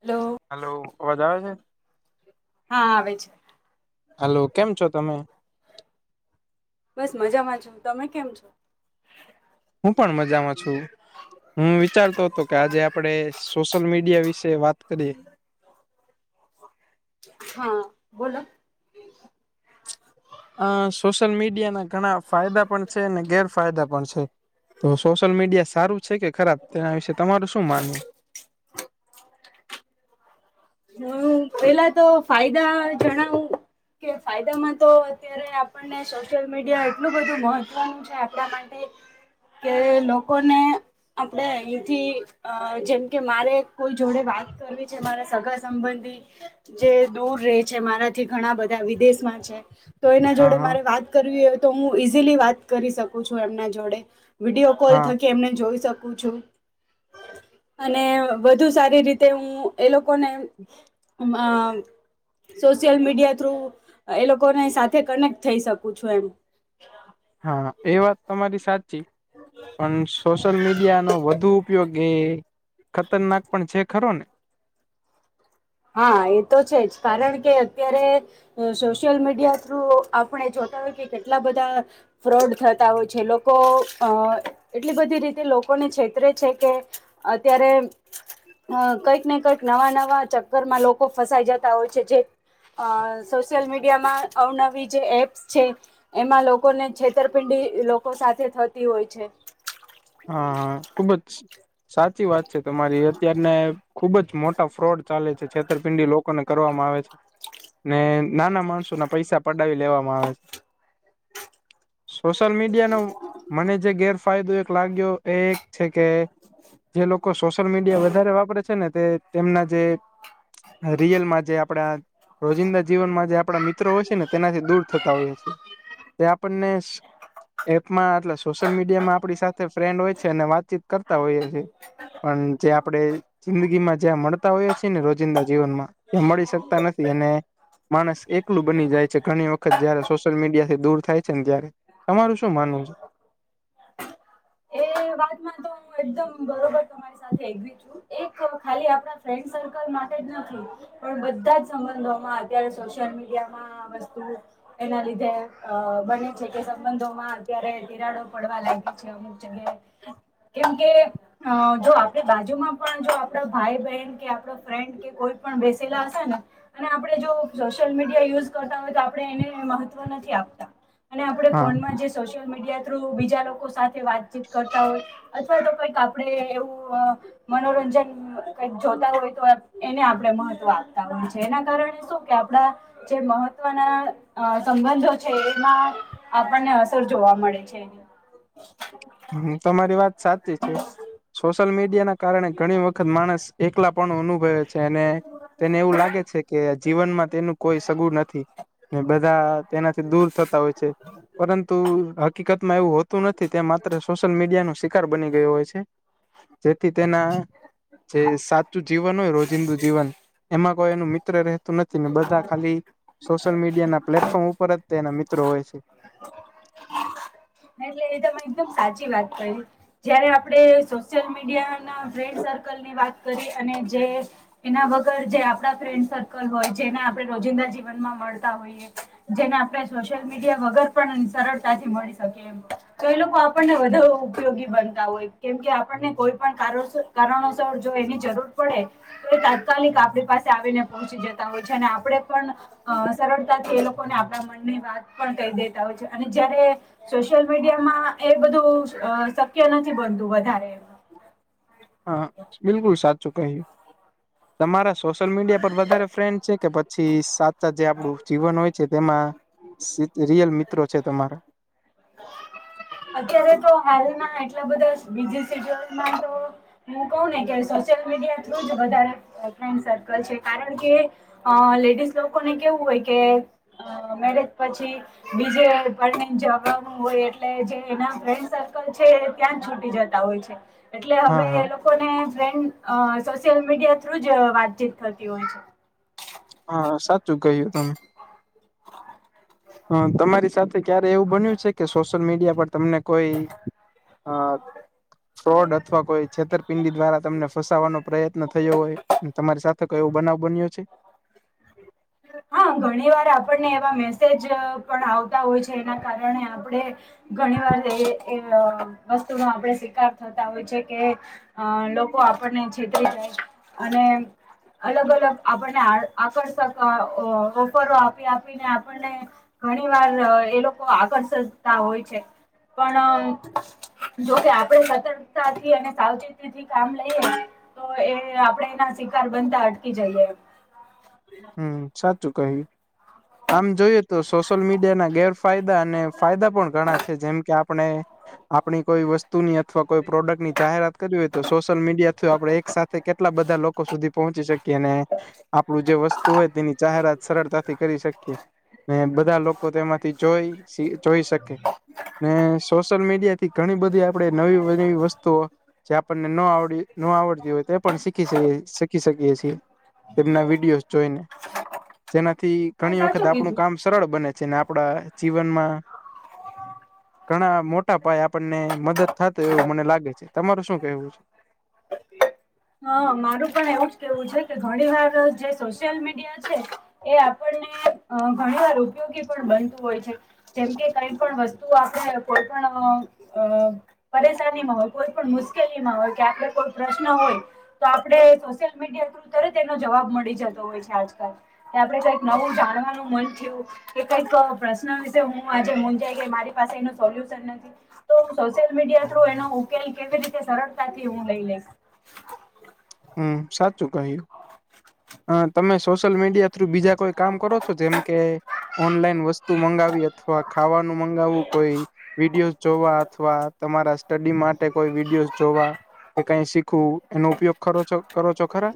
Hello hello અવાજ આવે છે હા આવે છે હેલો કેમ છો તમે બસ મજામાં છો તમે કેમ છો હું પણ મજામાં છું હું વિચારતો હતો કે આજે આપડે સોશિયલ મીડિયા વિશે વાત કરીએ હા બોલો અ સોશિયલ મીડિયાના ઘણા ફાયદા પણ છે અને ગેરફાયદા પણ છે તો સોશિયલ મીડિયા સારું છે કે ખરાબ તેના વિશે તમારું શું માનવું હ પેલા તો ફાયદા જણાવું કે ફાયદામાં તો અત્યારે આપ ને સોશિયલ મીડિયા એટલું બધું મહત્વનું છે આપણા માટે કે લોકોને આપડે અહીંથી અ જેમ કે મારે કોઈ જોડે વાત કરવી છે મારા સગા સંબંધી સંબંધી જે દૂર રે છે મારાથી ઘણા બધા વિદેશમાં છે તો એના હા જોડે હા મારે વાત કરવી હોય તો હું ઈઝીલી વાત કરી શકું છું એમના જોડે વિડીયો કોલ હા થકી એમને જોઈ શકું છું અને વધુ સારી રીતે હું એ લોકોને આ સોશિયલ મીડિયા થ્રુ એ લોકોને સાથે કનેક્ટ થઈ શકું છું એમ હા એ વાત તમારી સાચી પણ સોશિયલ મીડિયા નો વધુ ઉપયોગ એ ખતરનાક પણ છે ખરો ને હા એ તો છે જ કારણ કે અત્યારે સોશિયલ મીડિયા થ્રુ આપણે જોતા હોય કે કેટલા બધા ફ્રોડ થતા હોય છે લોકો અ એટલી બધી રીતે લોકોને છેતરે છે કે અત્યારે કંઈક ને કંઈક નવા નવા ઘરમાં લોકો ફસાઈ જતા હોય છે જે અ સોશિયલ મીડિયામાં અવનવી જે એપ્સ છે એમાં લોકોને છેતરપિંડી લોકો સાથે થતી હોય છે હા હા ખુબ જ સાચી વાત છે તમારી અત્યારને ખુબ જ મોટ ફ્રોડ ચાલે છે છેતરપિંડી લોકોને કરવામાં આવે છે ને નાના માણસો ના પૈસા પડાવી લેવામાં આવે છે સોશિયલ મીડિયાનો મને જે ગેરફાયદો એક લાગ્યો એ એક છે કે જે લોકો સોશિયલ મીડિયા વધારે વાપરે છે ને તે તેમના જે રિયલમાં જે આપડા રોજિંદા જીવનમાં જે આપણા મિત્રો હોય છે ને તેનાથી દૂર થતા હોઈએ છે આપણે એપમાં એટ સોશિયલ મીડિયામાં આપ ફ્રેન્ડ હોય છે અને વાતચીત કરતા હોઈએ છીએ. પણ જે આપડણે જિંદગી માં જ્યાં મળતા હોય છીએ ને રોજિંદા જીવનમાં ત્યાં મળી શકતા નથી. અને માણસ એકલું બની જાય છે ઘણી વખત જયારે સોસ સોસાયલમીડિયા થી દૂર થાય છે ને ત્યારે તમારું શું માનવું છે. એ વાતમાં તો હ એકદમ બરોબર તમારી સાથે એક ખાલી આપણા ફ્રેન્ડ સર્કલ માટે જ નથી. પણ બધા જ સંબંધોમાં અત્યારે સોશિયલ મીડિયામાં આ વસ્તુ એના લીધે અ બને છે કે સંબંધોમાં અત્યારે તિરાડો પડવા લાગે છે અમુ કેમકે જો આપણે બાજુમાં પણ જો આપડા ભાઈ બહેન કે આપ ફ્રેન્ડ કે કોઈ પણ બેસેલા હશે ને અને આપડણે જો સોશિયલ મીડિયા યુઝ કરતા હોય તો આપણે એને મહત્વ નથી આપતા અને આપણે હા ફોનમાં જે સોશિયલ મીડિયા થ્રુ બીજા લોકો સાથે વાત કરતા હોય અથવા તો કઈક આપણે એવું અ મનોરંજન કઈક જોતા હોય તો એને આપણે મહત્વ આપતા હોય છે એના કારણે શું કે આપડા જે મહત્વના સંબંધો છે એમાં આપણને અસર જોવા મળે છે એની હમ્મ તમારી વાત સાચી છે સોશિયલ મીડિયા ના કારણે ઘણી વખત વખત માણસ એકલા પણ અનુભવે છે અને તેને એવું લાગે છે કે જીવનમાં તેનું કોઈ સગું નથી ને બધા તેનાથી દૂર થતા હોય છે. પરંતુ હકીકતમાં એવું હોતું નથી તે માત્ર સોશિયલ મીડિયા નુ શિકાર બની ગયો હોય છે જેથી તેના જે સાચું જીવન હોય રોજિંદુ જીવન એમાં કોઈ એનું મિત્ર રહેતું નથી ને બધા ખાલી સોશિયલ મીડિયા ના પ્લેટફોર્મ ઉપર જ તેના મિત્રો હોય છે. એટલે એ તમે એકદમ સાચી વાત કરી જયારે આપણે સોશિયલ મીડિયા ના ફ્રેન્ડ સર્કલ ની વાત કરી અને જે એના વગર જે આપડા ફ્રેન્ડ સર્કલ હોય જેને આપણે રોજિંદા જીવનમાં મળતા હોઈએ. જેને આપણે સોશિયલ મીડિયા વગર પણ સરળતાથી મળી શકી એમ તો એ લોકો આપણને વધારે ઉપયોગી બનતા હોય કેમ કે આપણને કોઈ પણ કારણસ કારણોસર જો એની જરૂર પડે એ તાત્કાલિક આપણી પાસે આવીને પહોંચી જતા હોય છે અને આપડે પણ અ સરળતાથી એ લોકોને આપડા મનની વાત પણ કહી દેતા હોય છે અને જયારે સોશિયલ મીડમાં એ બધું શક્ય નથી બનતું વધારે હા બિલકુલ સાચું કહ્યું તમારા સોશિયલ મીડિયા પર વધારે ફ્રેન્ડ છે કે પછી સાચ સાાત જે આપડું જીવન હોય છે તેમાં રિયલ મિત્રો છે તમારા અત્યારે તો હાલના એટલા બધા બીજી સિટોયો મા તો હું કહું ને કે સોશિયલ મીડિયા થ્રુ જ વધારે ફ્રેન્ડ સર્કલ છે કારણ કે અ લેડીઝ લોકોને કેવું હોય કે અ મેરેજ પછી બીજે પરણી ને જવાનું હોય એટલે જે એ ફ્રેન્ડ સર્કલ છે ત્યાં જ છૂટી જતા હોય છે એટલે હવે હા હા એ લોકો ફ્રેન્ડ સોશિયલ મીડિયા થ્રુ જ વાતચીત કરતી હોય છે. હા સાચું કહ્યું તમે હ તમારી સાથે ક્યારે એવું બન્યું છે કે સોશિયલ મીડિયા પર તમને કોઈ અ ફ્રોડ અથવા કોઈ છેતર પિંડી દ્વારા તમને ફસાવવાનો પ્રયત્ન થયો હોય ને તમારી સાથે કયોો બનાવ બન્યો છે. હા ઘણી વાર આપણને એવા મેસેજ પણ આવતા હોય છે એના કારણે આપણે ઘણી વાર એ વસ્તુમાં આપણે શિકાર થતા હોય છે કે અ લોકો આપણને જીતી જાય અને અલગ અલગ આપણને આ આકર્ષક ઓફરો આપી આપીને આપણને ઘણી વાર એ લોકો આકર્ષતા હોય છે પણ જોકે આપણે સતર્કતા અને સાવચેતી કામ લઈએ તો એ આપણેે એના શિકાર બનતા અટકી જઈએ બ [unintelligible] હમ સાચું કહ્યું. આમ જોયું તો સોશિયલ મીડિયા ના ગેરફાયદા અને ફાયદા પણ ઘણા છે જેમ કે આપણે આપણી કોઈ વસ્તુની અથવા કોઈ પ્રોડક્ટ ની જાહેરાત કરવી હોય તો સોશિયલ મીડિયા થ્રુ આપડણે એક સાથે કેલા એટલા બધા લોકો સુધી પહોંચી શકીને આપડું જે વસ્તુ હોય તેની જાહેરાત સરળતાથી કરી શકીએ ને બધા લોકો તેમાંથી જોઈ જોઈ શકે, ને સોશિયલ મીડિયા થી ઘણી બધી આપણે નવીવી વસ્તુઓ. જે આપણને નો આવડી નો આવડતી હોય તે પણ શીખી શીખી શકીએ છીએ. તેમના વિડીયોજ જોઈને જેનાથી હા ઘણી વખત સાચું આપણું કીધું કામ સરળ બને છે ને આપડા જીવનમાં ઘણા મોટા પાયે આપણને મદદ થાતો એવું મને લાગે છે તમારું શું કેવું છે હા મારું પણ એવું જ કેવું છે કે ઘણી વાર જે સોશિયલ મીડિયા છે એ આપણને ઘણી વાર ઉપયોગી પણ બનતું હોય છે જેમ કે કઈ પણ વસ તું આપણે કોઈ પણ અહ અહ પરેશાની માં હોય કોઈ પણ મુશ્કેલીમાં હોય કે આપડો કોઈ પ્રશ્ન હોય તો આપડે સોશિયલ મીડિયા થ્રુ તરત એનો જવાબ મળી જતો હોય છે આજકાલ તે આપડે કઈક નવું જાણવાનું મન થયું કે કઈક પ્રશ્ન વિશે હું આજે મુંજાઈ ગઈ મારી પાસે એનું સોલ્યુશન નથી તો સોશિયલ મીડિયા થ્રુ એનો ઉકેલ કેવી રીતે સરળતાથી હું લઈ લેશ હમ્મ સાચું કહ્યું અ તમે સોશિયલ મીડિયા થ્રુ બીજા કોઈ કામ કરો છો જેમ કે ઓનલાઈન વસ તુ મગાવ અથવા ખાવાનું મગાવવું કોઈ વિડીયો જોવા અથવા તમારા સ્ટડી માટે કોઈ વિડીયોઝ જોવા કે કઈ શીખવું એનો ઉપયોગ કરો છો કરો છો ખરા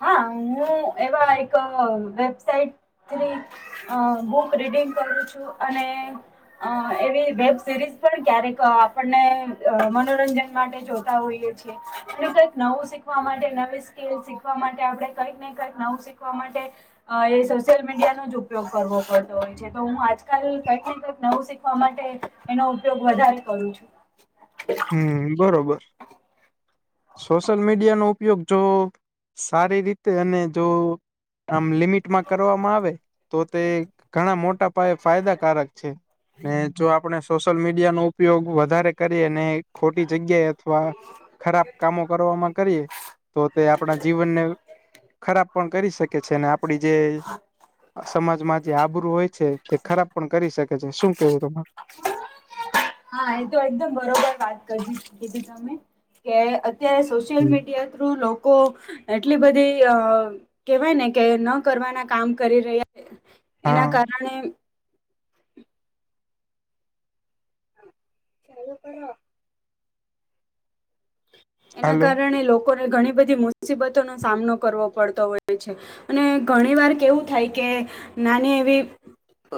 હા હું એવા એક વેબસાાઈટ થ્રી અ બુક રીડિંગ કરું છું અને અ એવી વેબ સિરીઝ પણ ક્યારેક આપણને અહ મનોરંજન માટે જોતા હોઈએ છે અને કંઈક નવું શીખવા માટે નવી સ્કીલ શીખવા માટે આપડે કંઈક ને કંઈક નવું શીખવા માટે અહ એ સોશિયલ મીડિયાનો જ ઉપયોગ કરવો પડતો હોય છે તો હું આજકાલ કંઈક ને કંઈક નવું શીખવા માટે એનો ઉપયોગ વધારે કરું છું. હમ બરોબર. સોશિયલ મીડિયાનો ઉપયોગ જો સારી રીતે અને જો આમ લિમિટમાં કરવામાં આવે તો તે ઘણા મોટા પાયે ફાયદાકારક છે ને જો આપણે સોશયલ મીડિયા નો ઉપયોગ વધારે કરીએ ને ખોટી જગ્યાએ અથવા ખરાબ કામો કરવામાં કરીએ તો તે આપણા જીવનને. ખરાબ પણ કરી શકે છે અને આપડી જે સમાજમાં જે આબરૂું હોય છે તે ખરાબ પણ કરી શકે છે શું કેવું એમાં? હા એ તો એકદમ બરોબર વાત કરી કીધી તમે કે અત્યારે સોશ્યિલ સોશિયલ તમારું? મીડિયા થ્રુવ લોકો એટલી બધી અ કેવાય ને કે ન કરવાના કામ કરી રહ્યા એના હા કારણે [unintelligible] એના હાલો. કારણે લોકોને ઘણી બધી મુસીબતોનો સામનો કરવો પડતો હોય છે. અને ઘણી વાર કેવું થાય કે નાની એવી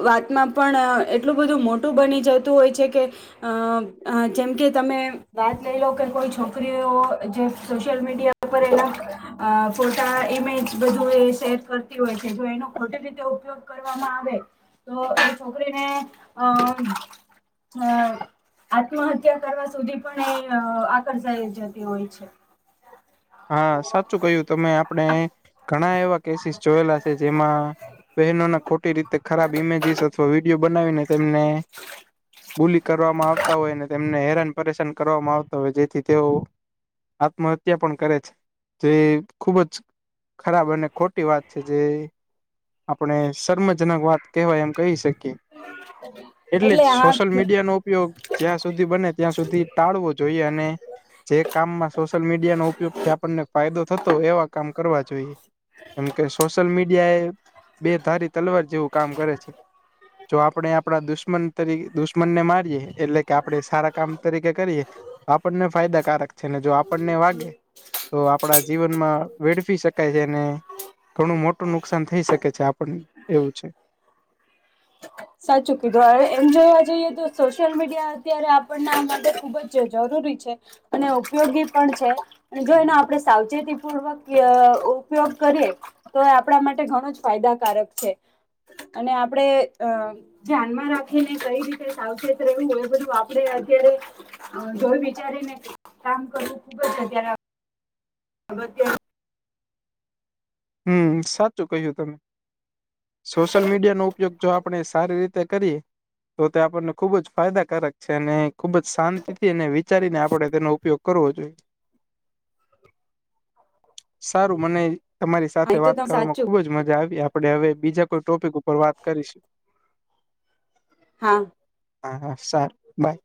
વાતમાં પણ એટલું બધું મોટું બની જતું હોય છે કે અ જેમ કે તમે વાત લઈ લો કે કોઈ ફ જે સોશિલ મીડિયા પર બધે અ ફોટા એમેજ બધું એ સેર કરતી હોય છે જો એનો ખોટી રીતે ઉપયોગ. વામાં આવે તો એ છોકરીને અ. અ આત્મહત્યા કરવા સુધી પણ એ આકર્ષ. લઈ જતી હોય છે. હા સાચું કહ્યું તમે આપણે ઘણા એવા કેસીસ જોયેલા છે જેમાં. બહેનોને ખોટી રીતે ખરાબ ઇમેજીિસ અથવા વિડિયો બનાવીને તેમને બોલી કરવામાં આવતા હોય ને તેમને હેરાન પરેશાન કરવામાં આવતા હોય જેથી તેઓ. આત્મહત્યા પણ. કરે છે જે ખુબ જ ખરાબ અને ખોટી વાત છે જે. આપણે શર્મજનક વાત કહેવાય એમ કહી શકીએ. એટલે જ સોશિયલ મીડિયાનો ઉપયોગ. જ્યાં સુધી બને ત્યાં સુધી ટાળવો જોઈએ અને. જે કામમાં સોશિયલ મીડિયાનો ઉપયોગ થી આપણને ફાયદો થતો એવા કામ કરવા જોઈએ. કેમ કે સોશિયલ મીડિયા એ. બે ધારી તલવાર જેવું કામ કરે છે. જો આપણે આપણા દુશ્મન તરી દુશ્મનને મારીએે એટલે કે આપડણે સારા કામ તરીકે કરીએ. આપણને ફાયદાકારક છે ને જો આપણને વાગે. તો આપણા જીવનમાં વેડફી શકાય છે અનેને. ઘણું મોટું નુકસાન થઈ શકે છે આપણને એવું છે. સાચું કીધું હવે એમ જોવા જઈએ તો સોશયલ મીડિયા અત્યારે આપણને આ માટે ખુબ જ જરૂરી છે. અને ઉપયોગી પણ છે. જો એને આપડણે સાવચેતી પૂર્વક ઉપયોગ કરીએ. તો એ આપણા માટે ઘણો જ ફાયદાકારક છે અને આપડે. અ ધ્યાનમાં રાખીને કઈ રીતે સાવચેત રહેવું હોય એ બધું આપડે અત્યારે. જોય વિચારી ને કામ કરવું ખુબ જ હ્યારે. અધ્યા. હમ સાચું કહ્યું તમે. સોશિયલ મીડિયા નો ઉપયોગ જો આપણે સારી રીતે કરી. તો તે આપણને ખુબ જ ફાયદાકારક છે અને ખુબ જ શાંતિ થી અને વિચારીને આપણે તેનો ઉપયોગ. કરવો જોઈએ સારું મને. તમારી હા એ સાથે તો વાત તમે કરવામાં સાચું ખુબ જ મજા આવી આપણે હવે બીજા કોઈ ટોપિક ઉપર વાત કરીશું. હા. હા સરાર બાય.